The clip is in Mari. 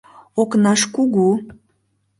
Окнаж кугу